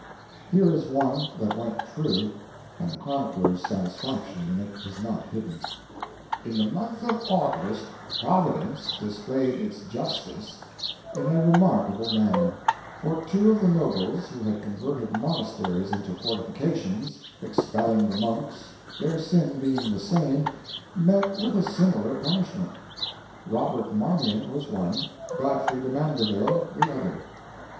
Here is one that went true; the chronicler's satisfaction in it is not hidden: In the month of August, Providence displayed its justice in a remarkable manner; for two of the nobles who had converted monasteries into fortifications, expelling the monks, their sin being the same, met with a similar punishment. Robert Marmion was one, Godfrey de Mandeville the other.